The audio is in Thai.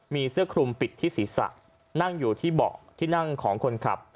มีเสื้อคลุมปิดที่ศีรษะนั่งอยู่ที่เบาะที่นั่งของคนขับ